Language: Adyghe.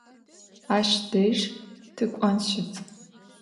Aş dej tık'on şıt.